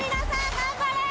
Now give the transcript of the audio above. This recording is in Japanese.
頑張れ！